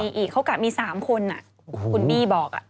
จะมีอีกเขากลับมี๓คนน่ะคุณบีบอกอะ